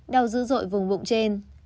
đau dữ dội vùng bụng trên